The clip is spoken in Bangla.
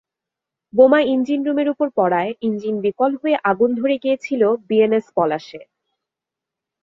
বোমা ইঞ্জিনরুমের ওপর পড়ায় ইঞ্জিন বিকল হয়ে আগুন ধরে গিয়েছিল বিএনএস পলাশে।